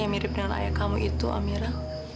yang mirip dengan ayah kamu itu amira